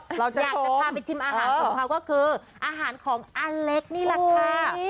อยากจะพาไปชิมอาหารของเขาก็คืออาหารของอเล็กนี่แหละค่ะ